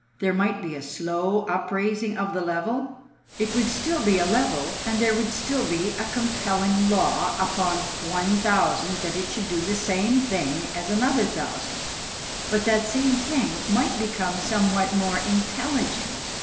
There might be a slow upraising of the level. It would still be a level, and there would still be a compelling law upon one thousand that it should do the same thing as another thousand; but that same thing might become somewhat more intelligent.